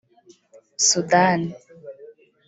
Sudan